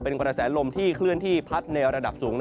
เป็นกระแสลมที่เคลื่อนที่พัดในระดับสูง